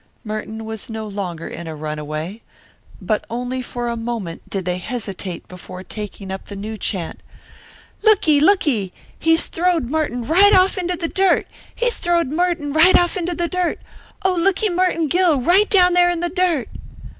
Merton was no longer in a runaway. But only for a moment did they hesitate before taking up the new chant. "Looky, looky. He's throwed Merton right off into the dirt. He's throwed Merton right off into the dirt. Oh, looky Merton Gill right down there in the dirt!"